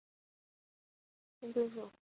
黑龟属是地龟科下的一个属。